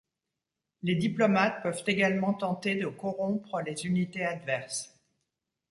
Les diplomates peuvent également tenter de corrompre les unités adverses.